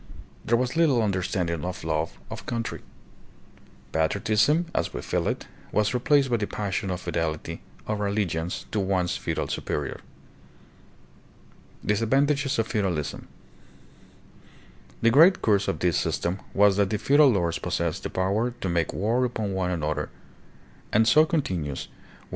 There was little under standing of love of country. Patriotism, as we feel it, was replaced by the passion of fidelity or allegiance to one's feudal superior. Disadvantages of Feudalism. The great curse of this system was that the feudal lords possessed the power to make war upon one another, and so continuous were 44 EUROPE AND THE FAR EAST ABOUT 1400 A.D.